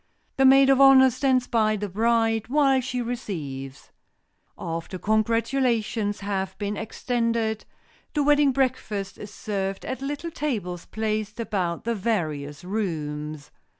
The maid of honor stands by the bride while she receives. After congratulations have been extended, the wedding breakfast is served at little tables placed about the various rooms.